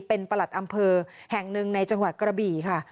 เป็นประหลัดอำเภอแห่งหนึ่งในจังหวัดกระบี่ค่ะ